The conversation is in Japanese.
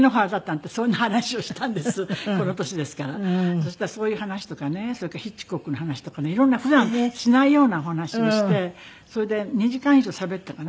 そしたらそういう話とかねそれからヒッチコックの話とかね色んな普段しないようなお話をしてそれで２時間以上しゃべったかな。